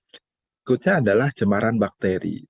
berikutnya adalah cemaran bakteri